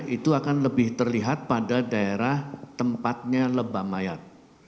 itu akan lebih terlihat pada daerah tempatnya lebam mayat